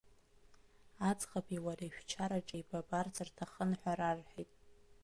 Аӡӷаби уареи шәчараҿ еибабарц рҭахын ҳәа рарҳәеит.